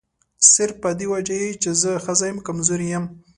صرف په دې وجه چې زه ښځه یم کمزوري یم.